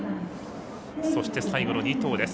そして最後の２頭です。